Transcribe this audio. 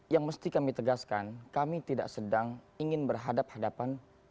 yang mesti kami tegaskan kami tidak sedang ingin berhadap hadapan dengan aparat kepolisian